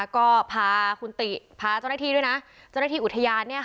ก็ภาคุณติธุ์ภาษาจอดนักฐีด้วยนะจอดนักฐีอุทยาน